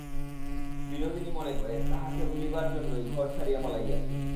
বিনোদিনী মনে করে, তাহাকে ভুলিবার জন্যই ঘর ছাড়িয়া পালাইয়াছি!